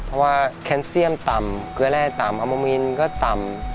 เพราะว่าแคนเซียมต่ำเกลือแร่ต่ำอาโมมินก็ต่ำ